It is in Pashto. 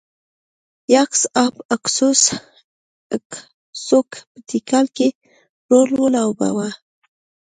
یاکس اهب اکسوک په تیکال کې رول ولوباوه.